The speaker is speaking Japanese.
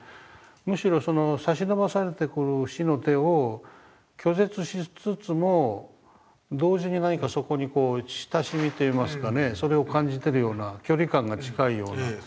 むしろ差しのばされてくる死の手を拒絶しつつも同時に何かそこにこう親しみといいますかねそれを感じてるような距離感が近いような。